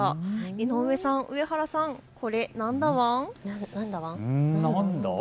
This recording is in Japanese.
井上さん、上原さん、これ何だワン？